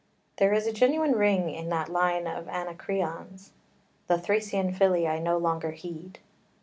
There is a genuine ring in that line of Anacreon's "The Thracian filly I no longer heed."